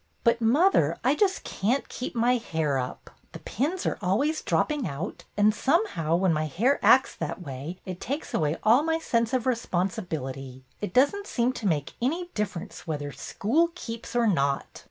"But, mother, I just can't keep my hair up. The pins are always drop ping out; and, somehow, when my hair acts that way it takes away all my sense of respon sibility. It does n't seem to make any differ ence whether school keeps or not!"